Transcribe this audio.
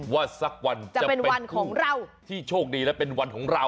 ว่าสักวันจะเป็นทู่ที่โชคดีและเป็นวันของเรา